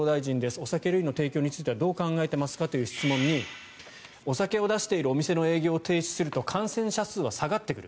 お酒類の提供についてはどう考えてますか？という質問にお酒を出しているお店の営業を停止すると感染者数は下がってくる。